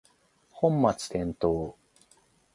本末転倒